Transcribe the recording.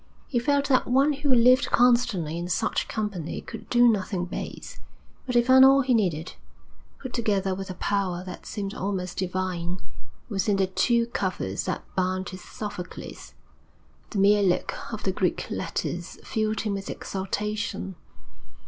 He felt that one who lived constantly in such company could do nothing base. But he found all he needed, put together with a power that seemed almost divine, within the two covers that bound his Sophocles. The mere look of the Greek letters filled him with exultation.